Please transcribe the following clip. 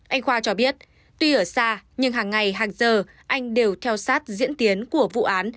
anh khoa cho biết tuy ở xa nhưng hàng ngày hàng giờ anh đều theo sát diễn tiến của vụ án